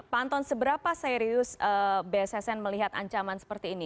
pak anton seberapa serius bssn melihat ancaman seperti ini